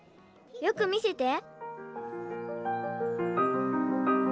よく見せて。